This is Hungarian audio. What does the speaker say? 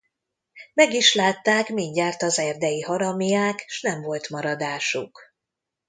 Meg is látták mindjárt az erdei haramiák, s nem volt maradásuk.